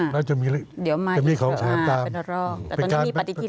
เราก็จะหาตาม